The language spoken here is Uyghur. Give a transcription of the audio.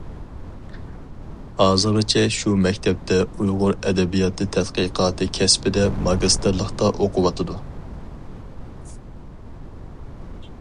ھازىرغىچە شۇ مەكتەپتە ئۇيغۇر ئەدەبىياتى تەتقىقاتى كەسپىدە ماگىستىرلىقتا ئوقۇۋاتىدۇ.